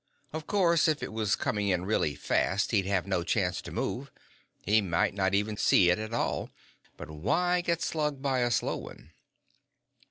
Of course, if it was coming in really fast, he'd have no chance to move; he might not even see it at all. But why get slugged by a slow one?